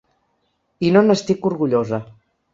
I no n’estic orgullosa.